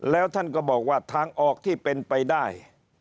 แล้วท่านก็บอกว่าทางออกที่เป็นไปได้